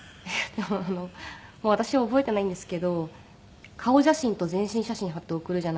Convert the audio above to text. もう私覚えていないんですけど顔写真と全身写真貼って送るじゃないですか。